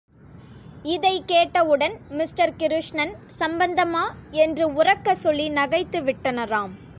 இதைக் கேட்டவுடன் மிஸ்டர் கிருஷ்ணன் சம்பந்தமா! என்று உரக்கச் சொல்லி நகைத்துவிட்டனராம்.